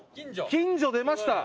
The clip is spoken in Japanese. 近所出ました。